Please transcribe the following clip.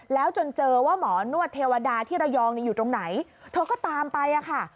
แล้วจนเจอว่าหมอนวดเทวดาที่ระยองอยู่ตรงไหนเธอก็ตามไปอะค่ะ